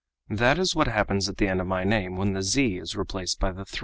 That is what happens at the end of my name when the z is replaced by the 3.